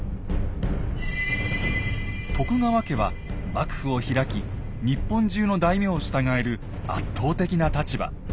徳川家は幕府を開き日本中の大名を従える圧倒的な立場。